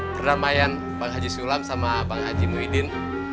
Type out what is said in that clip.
perdamaian pak haji zulam sama pak haji muhyiddin